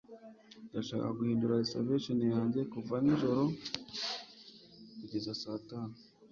Ndashaka guhindura reservation yanjye kuva nijoro kugeza saa tanu.